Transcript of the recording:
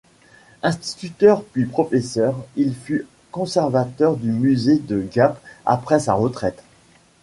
Instituteur puis professeur, il fut conservateur du musée de Gap après sa retraite.